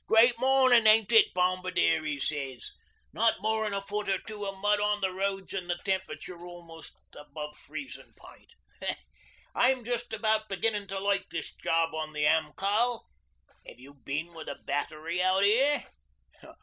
'"Great mornin' ain't it, Bombardier?" 'e sez. "Not more'n a foot or two o' mud on the roads, an' the temperature almost above freezin' point. I'm just about beginnin' to like this job on the Am. Col. 'Ave you bin with a Battery out 'ere?"